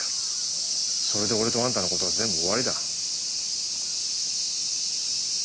それで俺とあんたの事は全部終わりだ。